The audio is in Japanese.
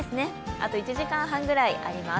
あと１時間半ぐらいあります。